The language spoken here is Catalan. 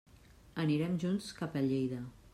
Anirem junts cap a Lleida.